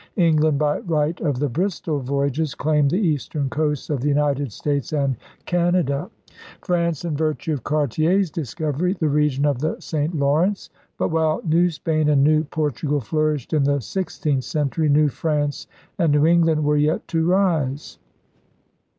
England, by right of the Bristol voyages, claimed the eastern coasts of the United States and Canada; France, in virtue of Cartier's discovery, the region of the St. Lawrence. But, while New Spain and New Por tugal flourished in the sixteenth century, New France and New England were yet to rise.